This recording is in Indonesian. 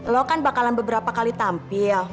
lo kan bakalan beberapa kali tampil